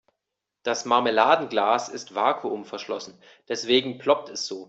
Das Marmeladenglas ist vakuumverschlossen, deswegen ploppt es so.